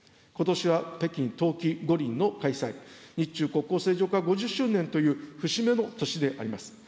ことしは北京冬季五輪の開催、日中国交正常化５０周年という節目の年であります。